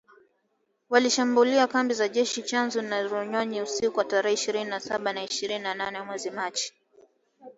Walishambulia kambi za jeshi za Tchanzu na Runyonyi, usiku wa tarehe ishirini na saba na ishirini na nane mwezi Machi